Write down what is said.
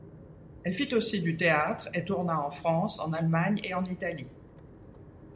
Elle fit aussi du théâtre et tourna en France, en Allemagne et en Italie.